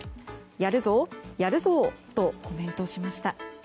やるぞぉやるぞぉとコメントしました。